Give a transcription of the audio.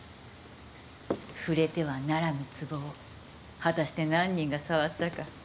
触れてはならぬ壺を果たして何人が触ったか。